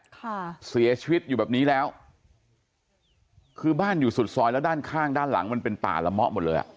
ค่ะเสียชีวิตอยู่แบบนี้แล้วคือบ้านอยู่สุดซอยแล้วด้านข้างด้านหลังมันเป็นป่าละเมาะหมดเลยอ่ะ